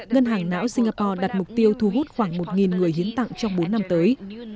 ngân hàng não singapore đặt mục tiêu thu hút khoảng một người hiến tặng trong bốn năm tới